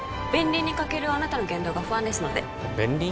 倫に欠けるあなたの言動が不安ですので弁倫？